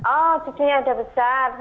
oh cucunya udah besar